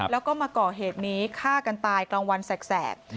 แล้วก็มาก่อเหตุนี้ฆ่ากันตายกลางวันแสก